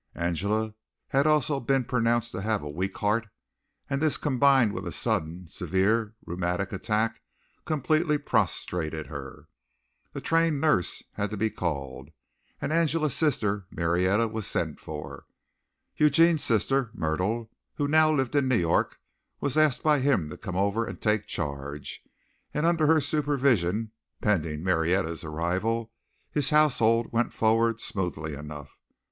Angela had also been pronounced to have a weak heart, and this combined with a sudden, severe rheumatic attack completely prostrated her. A trained nurse had to be called, and Angela's sister Marietta was sent for. Eugene's sister Myrtle, who now lived in New York, was asked by him to come over and take charge, and under her supervision, pending Marietta's arrival, his household went forward smoothly enough.